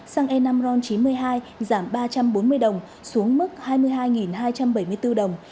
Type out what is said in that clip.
xăng e năm ron chín mươi hai giảm ba trăm bốn mươi đồng xuống mức hai mươi hai hai trăm bảy mươi bốn đồng